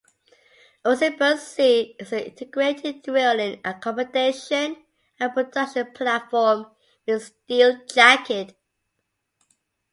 Oseberg C is an integrated drilling, accommodation and production platform with a steel jacket.